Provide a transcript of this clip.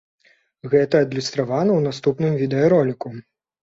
Гэта адлюстравана ў наступным відэароліку.